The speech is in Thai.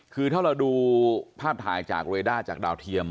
คือถ้าเราดูภาพถ่ายจากเรด้าจากดาวเทียม